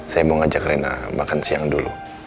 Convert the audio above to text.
saya mau ngajak rena makan siang dulu